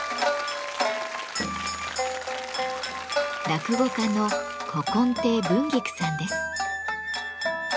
落語家の古今亭文菊さんです。